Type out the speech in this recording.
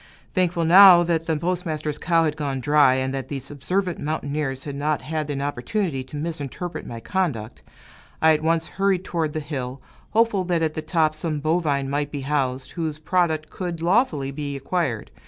Thankful, now, that the postmaster's cow had gone dry, and that these observant mountaineers had not had an opportunity to misinterpret my conduct, I at once hurried toward the hill, hopeful that at the top some bovine might be housed, whose product could lawfully be acquired.